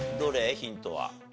ヒントは。